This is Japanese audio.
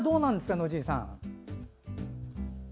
野尻さん。